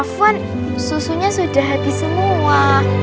susunya sudah habis semua